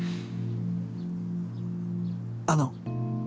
あの。